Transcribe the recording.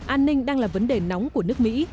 an ninh đang là vấn đề nóng của nước mỹ